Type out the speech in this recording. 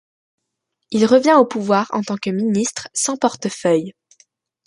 Il revient au pouvoir en tant que ministre sans porte-feuille.